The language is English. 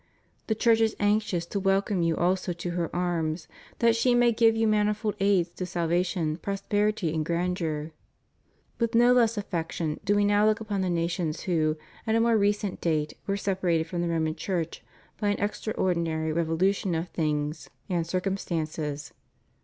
The Church is anxious to welcome you also to her arms, that she may give you manifold aids to salvation, prosperity, and grandeur. With no less affection do We now look upon the nations who, at a more recent date, were separated from the Roman Church by an extraordinary revolution of things and cir 310 THE REUNION OF CHRISTENDOM. cumstances.